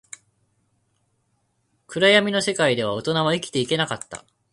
暗闇の世界では、大人は生きていけなかった